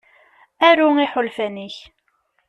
Aru iḥulfan-ik.